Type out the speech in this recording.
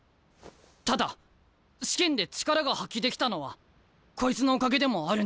ただ試験で力が発揮できたのはこいつのおかげでもあるんだ！